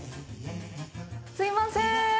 すいません。